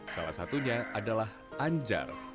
salah satunya adalah anjar